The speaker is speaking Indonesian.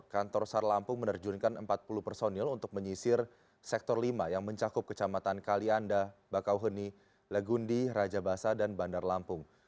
kantor sar lampung menerjunkan empat puluh personil untuk menyisir sektor lima yang mencakup kecamatan kalianda bakauheni legundi rajabasa dan bandar lampung